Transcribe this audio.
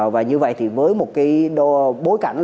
và như vậy thì với một bối cảnh